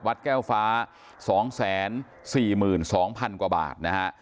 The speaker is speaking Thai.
วัดแก้วฟ้าสองแสนสี่หมื่นสองพันกว่าบาทนะฮะ